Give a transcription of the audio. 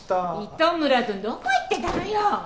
糸村くんどこ行ってたのよ！